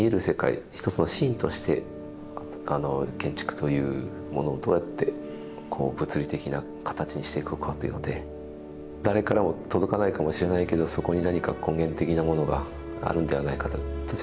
世界一つのシーンとして建築というものをどうやって物理的な形にしていくかというので誰からも届かないかもしれないけどそこに何か根源的なものがあるんではないかと。